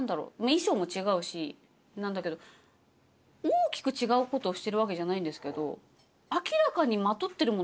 衣装も違うし大きく違うことをしてるわけじゃないんですけど。